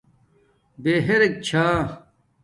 بہرک چھݳ